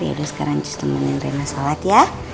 yaudah sekarang cus temenin rena sholat ya